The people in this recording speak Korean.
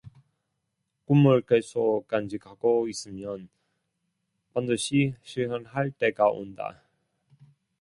꿈을 계속 간직하고 있으면 반드시 실현할 때가 온다.